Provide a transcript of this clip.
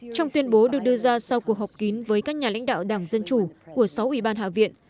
trong tuyên bố được đưa ra sau cuộc họp kín với các nhà lãnh đạo đảng dân chủ của sáu ủy ban hạ viện